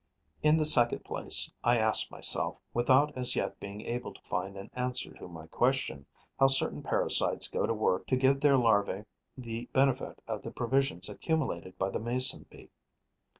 In the second place, I ask myself, without as yet being able to find an answer to my question, how certain parasites go to work to give their larva the benefit of the provisions accumulated by the Mason bee.